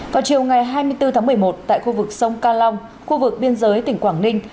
còn chiều ngày hai mươi bốn tháng một mươi một tại khu vực sông ca long khu vực biên giới tỉnh quảng ninh